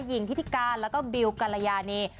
ยิงทิศิกาแล้วก็บิลกรยานี